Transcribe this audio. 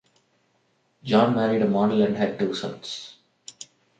John married a model and had two sons.